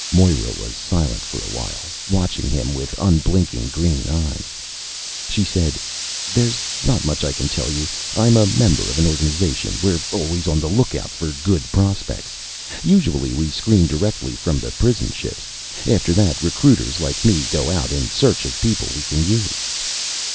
Moera was silent for a while, watching him with unblinking green eyes. She said, "There's not much I can tell you. I'm a member of an organization. We're always on the lookout for good prospects. Usually we screen directly from the prison ships. After that, recruiters like me go out in search of people we can use."